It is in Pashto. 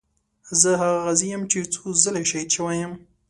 زه هغه غازي یم چې څو ځله شهید شوی یم.